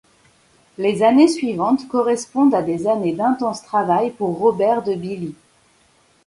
Les années suivantes correspondent à des années d'intense travail pour Robert de Billy.